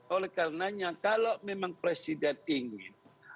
oleh karenanya kalau memang presiden ingin